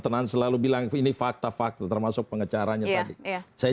teman teman selalu bilang ini fakta fakta termasuk pengecaranya tadi